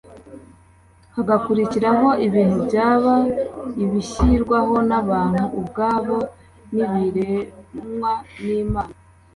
hagakurikiraho ibintu byaba ibishyirwaho n’abantu ubwabo n’ibiremwa n’Imana